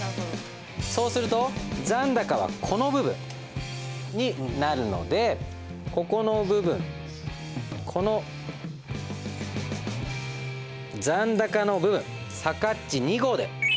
そうすると残高はこの部分になるのでここの部分この残高の部分さかっち２号で。